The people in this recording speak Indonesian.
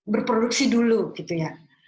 berproduksi dulu gitu ya